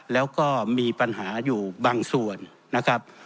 แล้วก็มีปัญหาอยู่บางส่วนนะครับ